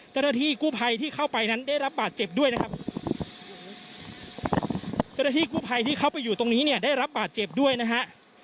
เจ้าหน้าที่กู้ภัยที่เข้าไปนั้นได้รับบาดเจ็บด้วยนะครับเจ้าหน้าที่กู้ภัยที่เข้าไปอยู่ตรงนี้เนี่ยได้รับบาดเจ็บด้วยนะฮะ